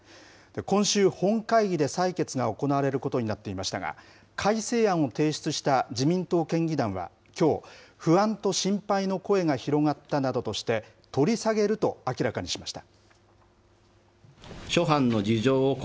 今週、本会議で採決が行われることになっていましたが、改正案を提出した自民党県議団はきょう、不安と心配の声が広がったなどとして、取り下げると明らかにしました。